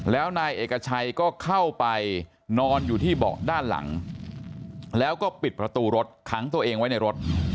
แล้วนายเอกชัยก็เข้าไปนอนอยู่ที่เบาะด้านหลังแล้วก็ปิดประตูรถขังตัวเองไว้ในรถ